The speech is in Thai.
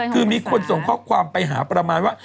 คือมีคนส่งข้อความไปหาประมาณว่า